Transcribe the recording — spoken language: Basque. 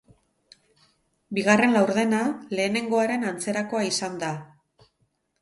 Bigarren laurdena lehenengoaren antzerakoa izan da.